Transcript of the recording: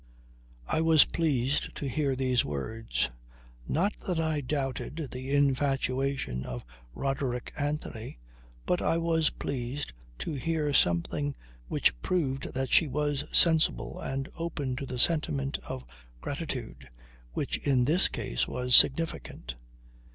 I was pleased to hear these words. Not that I doubted the infatuation of Roderick Anthony, but I was pleased to hear something which proved that she was sensible and open to the sentiment of gratitude which in this case was significant.